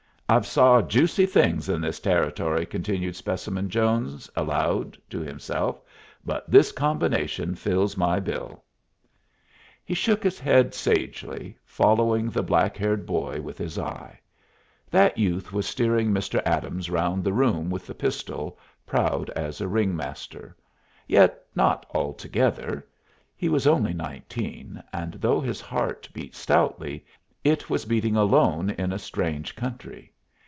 "I've saw juicy things in this Territory," continued Specimen Jones, aloud, to himself, "but this combination fills my bill." He shook his head sagely, following the black haired boy with his eye. That youth was steering Mr. Adams round the room with the pistol, proud as a ring master. Yet not altogether. He was only nineteen, and though his heart beat stoutly, it was beating alone in a strange country.